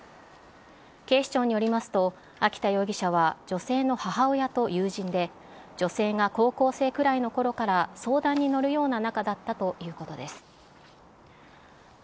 警視庁によりますと秋田容疑者は女性の母親と友人で女性が高校生くらいの頃から相談に乗るような仲だったということです。